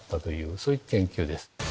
そういう研究です。